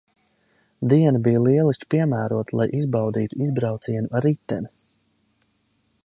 Diena bija lieliski piemērota, lai izbaudītu izbraucienu ar riteni.